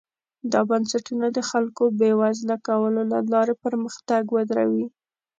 دا بنسټونه د خلکو بېوزله کولو له لارې پرمختګ ودروي.